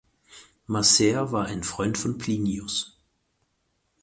Macer war ein Freund von Plinius.